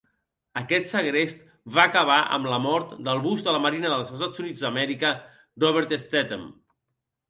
Aquest segrest va acabar amb la mort del bus de la Marina dels Estats Units d'Amèrica Robert Stethem.